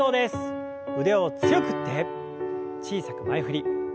腕を強く振って小さく前振り。